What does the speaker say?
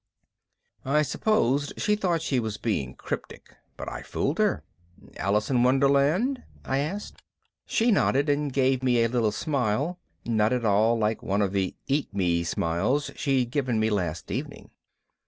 I suppose she thought she was being cryptic, but I fooled her. "Alice in Wonderland?" I asked. She nodded, and gave me a little smile, not at all like one of the EAT ME smiles she'd given me last evening.